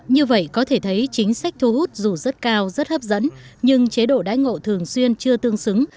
như vậy có thể thấy chính sách thu hút dù rất cao rất hấp dẫn nhưng chế độ đái ngộ thường xuyên chưa tương xứng